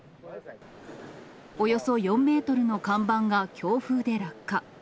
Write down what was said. およそ４メートルの看板が強風で落下。